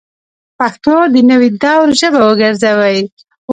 پښتو د نوي دور ژبه وګرځوئ